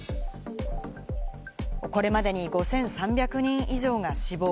これまでに５３００人以上が死亡。